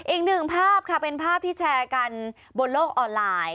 อีกหนึ่งภาพค่ะเป็นภาพที่แชร์กันบนโลกออนไลน์